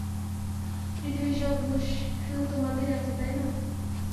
পৃথিবীর সব হুশ শুধু তোমাদেরই আছে, তাই না?